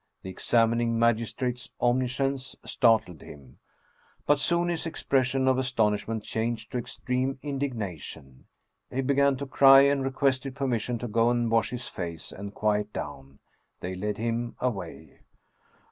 The examining magistrate's omniscience startled him. But soon his expression of astonishment changed to extreme indig nation. He began to cry and requested permission to go and wash his face and quiet down. They led him away.